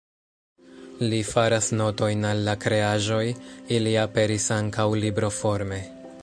Li faras notojn al la kreaĵoj, ili aperis ankaŭ libroforme.